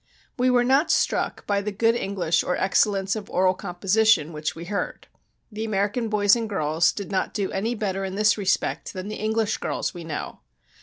We were not struck by the good English or excellence of oral composition which we heard. The American boys and girls did not do any better in this respect than the English girls we know.